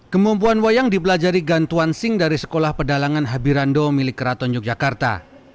kemumpuan wayang dipelajari gan tuan sing dari sekolah pedalangan habirando milik keraton yogyakarta